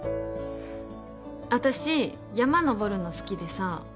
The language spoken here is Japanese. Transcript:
私山登るの好きでさ。